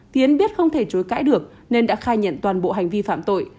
tiến biết không thể chối cãi được nên đã khai nhận toàn bộ hành vi phạm tội